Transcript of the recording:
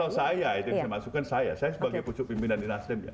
kalau saya itu yang saya masukkan saya saya sebagai pucuk pimpinan di nassim